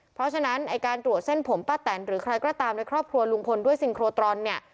เพราะฉะนั้นไอ้การตรวจเส้นผมป้าแตนหรือใครก็ตามในครอบครัวลุงพลด้วยซิงโครตรอนเนี่ย